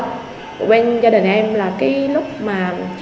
của bên gia đình em là cái lúc mà